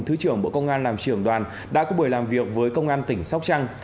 thứ trưởng bộ công an làm trưởng đoàn đã có buổi làm việc với công an tỉnh sóc trăng